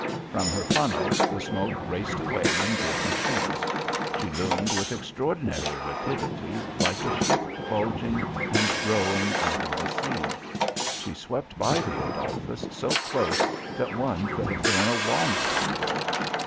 From her funnels the smoke raced away in driven sheets. She loomed with extraordinary rapidity like a ship bulging and growing out of the sea. She swept by the Adolphus so close that one could have thrown a walnut on board.